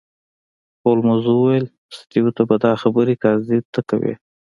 هولمز وویل سټیو ته به دا خبره قاضي ته کوې